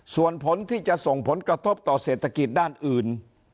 ส่วนผลที่จะส่งผลกระทบต่อเศรษฐกิจด้านอื่น